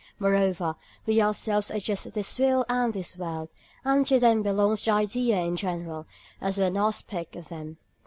Moreover, we ourselves are just this will and this world, and to them belongs the idea in general, as one aspect of them.